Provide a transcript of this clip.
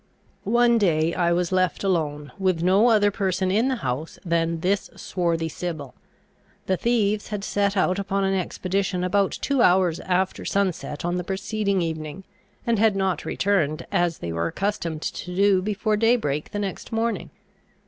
One day I was left alone, with no other person in the house than this swarthy sybil. The thieves had set out upon an expedition about two hours after sunset on the preceding evening, and had not returned, as they were accustomed to do, before day break the next morning.